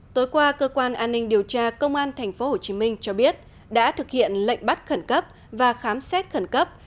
tối qua cơ quan an ninh điều tra công an tp hcm cho biết đã thực hiện lệnh bắt khẩn cấp và khám xét khẩn cấp